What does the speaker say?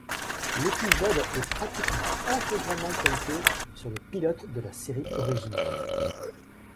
L'épisode est pratiquement intégralement calqué sur le pilote de la série originale.